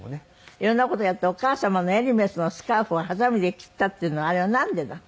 いろんな事をやってお母様のエルメスのスカーフをはさみで切ったっていうのはあれはなんでだった？